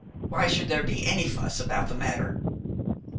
Why should there be any fuss about the matter?